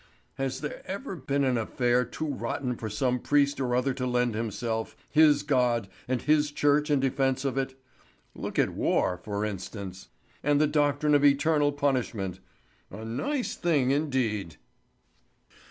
"Has there ever been an affair too rotten for some priest or other to lend himself, his God, and his church in defence of it? Look at war, for instance! And the doctrine of eternal punishment! A nice thing indeed!"